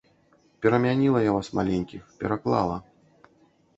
Перамяніла я вас маленькіх, пераклала.